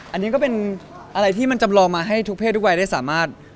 อันนี้ก็เป็นอะไรที่มันจำลองมาให้ทุกเพศทุกวัยได้สามารถ